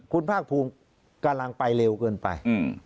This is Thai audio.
คุณภาคภูมิกำลังไปเร็วเกินไป